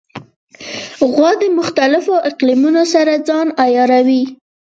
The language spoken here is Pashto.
غوا د مختلفو اقلیمونو سره ځان عیاروي.